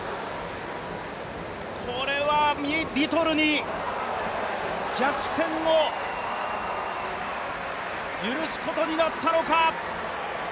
これはリトルに逆転を許すことになったのか。